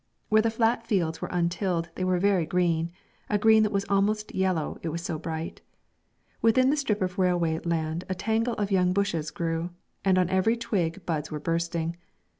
Where the flat fields were untilled they were very green, a green that was almost yellow, it was so bright. Within the strip of railway land a tangle of young bushes grew, and on every twig buds were bursting.